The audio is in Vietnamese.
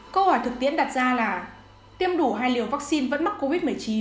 câu hỏi thực tiễn đặt ra là tiêm đủ hai liều vaccine vẫn mắc covid một mươi chín